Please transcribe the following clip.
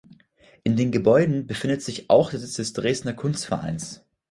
In den Gebäuden befindet sich auch der Sitz des Dresdner Kunstvereins.